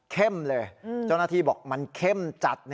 เลยเจ้าหน้าที่บอกมันเข้มจัด